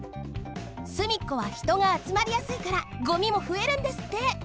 すみっこはひとがあつまりやすいからごみもふえるんですって。